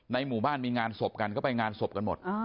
หมู่บ้านมีงานศพกันก็ไปงานศพกันหมด